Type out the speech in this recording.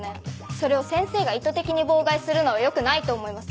それを先生が意図的に妨害するのはよくないと思います。